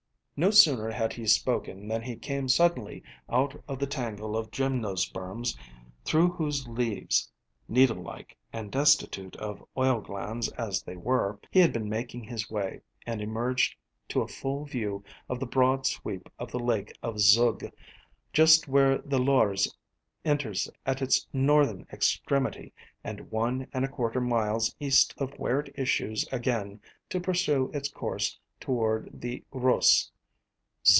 No sooner had he spoken than he came suddenly out of the tangle of gymnosperms through whose leaves, needle like and destitute of oil glands as they were, he had been making his way, and emerged to a full view of the broad sweep of the Lake of Zug, just where the Lorze enters at its northern extremity and one and a quarter miles east of where it issues again to pursue its course toward the Reuss.